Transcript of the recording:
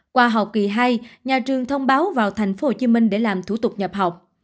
qua học kỳ hai nhà trường thông báo vào tp hcm để làm thủ tục nhập học